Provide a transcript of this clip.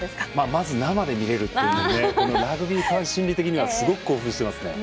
まず生で見れるっていうねこのラグビーファン心理的にはすごく興奮してますね。